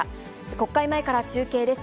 国会前から中継です。